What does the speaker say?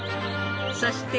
そして